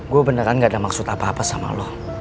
gue beneran gak ada maksud apa apa sama lo